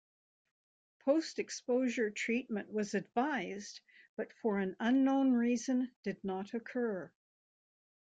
Post exposure treatment was advised but for an unknown reason did not occur.